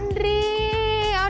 sampai jumpa lagi